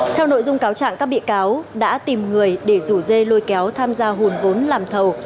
theo nội dung cáo trạng các bị cáo đã tìm người để rủ dê lôi kéo tham gia hùn vốn làm thầu